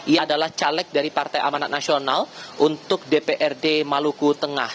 ia adalah caleg dari partai amanat nasional untuk dprd maluku tengah